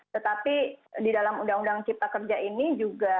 tetapi di dalam uu cipta kerja ini juga